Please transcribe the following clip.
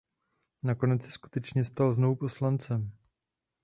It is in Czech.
Nakonec se skutečně stal znovu poslancem.